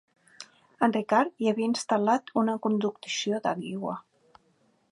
El Ricard hi havia instal·lat una conducció d'aigua.